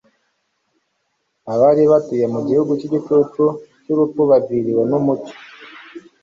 abari batuye mu gihugu cy'igicucu cy'urupfu baviriwe n'umucyo.